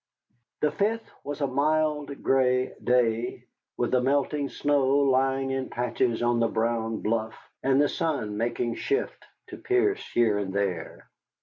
The 5th was a mild, gray day, with the melting snow lying in patches on the brown bluff, and the sun making shift to pierce here and there.